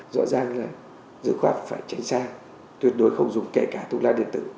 rõ ràng là dự khoác phải tránh xa tuyệt đối không dùng kể cả thuốc lá điện tử